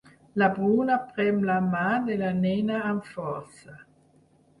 La Bruna prem la mà de la nena amb força.